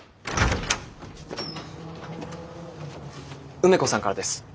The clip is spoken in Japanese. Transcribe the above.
梅子さんからです。